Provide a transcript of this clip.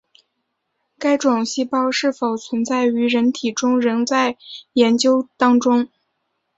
该种细胞是否存在于人体内仍在研究当中。